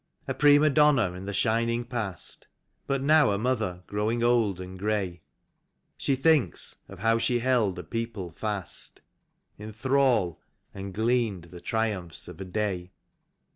A prima donna in the shining past, But now a mother growing old and grey. She thinks of how she held a people fast In thrall, and gleaned the triumphs of a day.